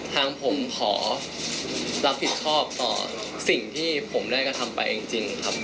ทางผมขอรับผิดชอบต่อสิ่งที่ผมได้กระทำไปจริงครับ